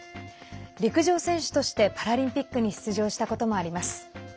陸上選手としてパラリンピックに出場したこともあります。